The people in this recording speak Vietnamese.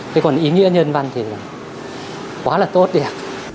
thế còn ý nghĩa nhân văn thì quá là tốt đẹp